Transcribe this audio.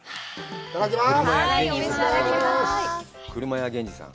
いただきます。